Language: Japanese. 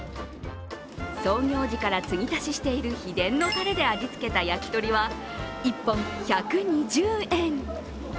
創業時から継ぎ足ししている秘伝のタレで味付けした焼き鳥は、１本１２０円。